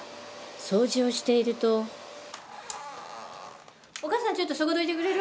掃除をしているとお母さんちょっとそこどいてくれる？